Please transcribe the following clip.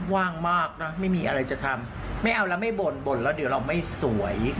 ว่างมากนะไม่มีอะไรจะทำไม่เอาแล้วไม่บ่นบ่นแล้วเดี๋ยวเราไม่สวย